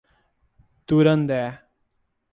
Durandé